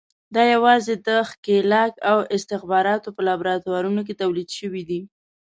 دا یوازې د ښکېلاک او استخباراتو په لابراتوارونو کې تولید شوي دي.